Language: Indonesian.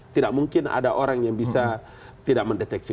tidak mungkin ada orang yang bisa tidak mendeteksi